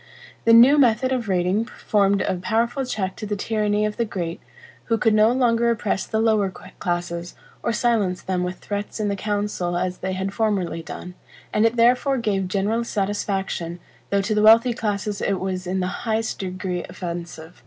The new method of rating formed a powerful check to the tyranny of the great, who could no longer oppress the lower classes, or silence them with threats in the council as they had formerly done, and it therefore gave general satisfaction, though to the wealthy classes it was in the highest degree offensive.